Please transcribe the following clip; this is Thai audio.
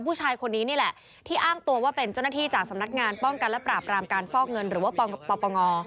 ผู้ชายคนนี้นี่แหละที่อ้างตัวว่าเป็นเจ้าหน้าที่จากสำนักงานป้องกันและปราบรามการฟอกเงินหรือว่าปปง